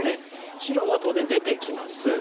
白は当然出てきます。